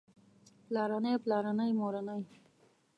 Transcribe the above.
پلارنی پلارني مورنۍ